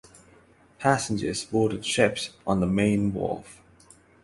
Passengers boarded ships on the main wharf.